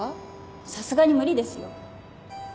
さすがに無理ですよ。